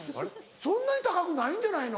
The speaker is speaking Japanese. そんなに高くないんじゃないの？